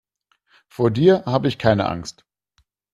Vor dir habe ich keine Angst.